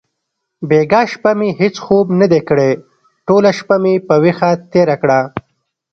بیګا شپه مې هیڅ خوب ندی کړی. ټوله شپه مې په ویښه تېره کړه.